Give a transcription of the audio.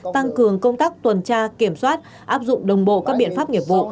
tăng cường công tác tuần tra kiểm soát áp dụng đồng bộ các biện pháp nghiệp vụ